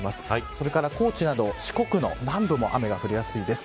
それから高知など四国の南部も雨が降りやすいです。